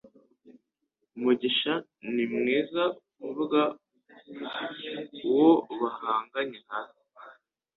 Mugisha ni mwiza kuvuga uwo bahanganye hasi